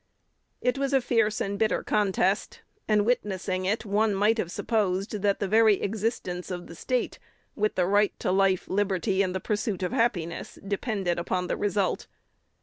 It was a fierce and bitter contest; and, witnessing it, one might have supposed that the very existence of the State, with the right to life, liberty, and the pursuit of happiness, depended upon the result.